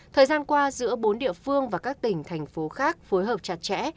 thời gian qua giữa bốn địa phương và các tỉnh thành phố khác phối hợp chặt chẽ